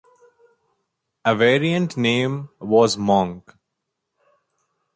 A variant name was "Monk".